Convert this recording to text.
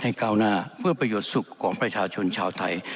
ก้าวหน้าเพื่อประโยชน์สุขของประชาชนชาวไทย